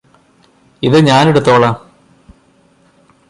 ഇത് ഞാനെടുത്തോളാം